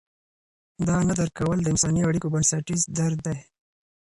دا نه درک کول د انساني اړیکو بنسټیز درد دی.